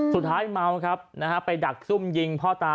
สุดท้ายเมานะครับไปดักซุ่มยิงพ่อตา